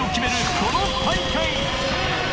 この大会！